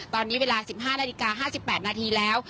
ตอนนี้เวลา๑๕นาฬิกา๕๘นาทีแล้ว